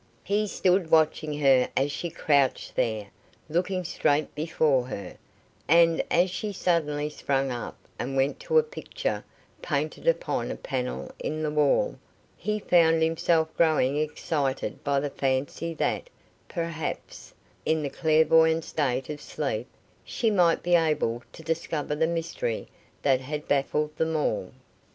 He stood watching her as she crouched there, looking straight before her, and as she suddenly sprang up, and went to a picture painted upon a panel in the wall, he found himself growing excited by the fancy that, perhaps, in the clairvoyant state of sleep, she might be able to discover the mystery that had baffled them all.